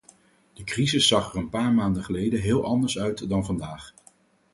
De crisis zag er een paar maanden geleden heel anders uit dan vandaag.